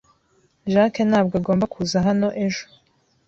Jacques ntabwo agomba kuza hano ejo.